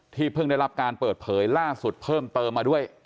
เพิ่งได้รับการเปิดเผยล่าสุดเพิ่มเติมมาด้วย